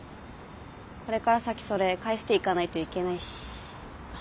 これから先それ返していかないといけないし。